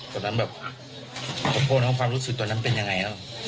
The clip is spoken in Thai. ตอนนั้นแบบพ่อพ่อแล้วความรู้สึกตอนนั้นเป็นอย่างไร